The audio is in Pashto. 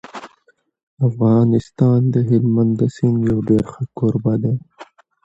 افغانستان د هلمند د سیند یو ډېر ښه کوربه دی.